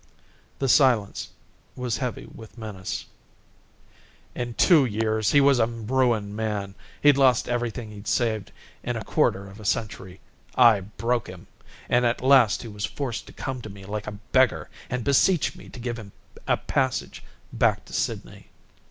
The silence was heavy with menace. "In two years he was a ruined man. He'd lost everything he'd saved in a quarter of a century. I broke him, and at last he was forced to come to me like a beggar and beseech me to give him a passage back to Sydney."